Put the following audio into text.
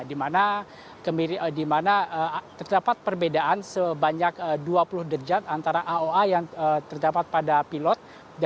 di mana terdapat perbedaan sebanyak dua puluh derajat antara aoa yang terdapat pada pilot